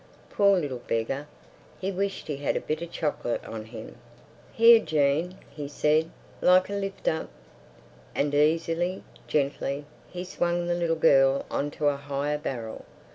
Poor little beggar! He wished he had a bit of chocolate on him. "Here, Jean!" he said. "Like a lift up?" And easily, gently, he swung the little girl on to a higher barrel.